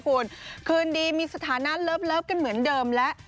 คุณคืนดีมีสถานะเลิฟกันเหมือนเดิมแล้ว